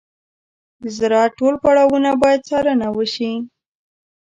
د زراعت ټول پړاوونه باید څارنه وشي.